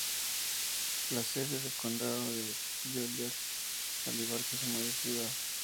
La sede del condado es Goliad, al igual que su mayor ciudad.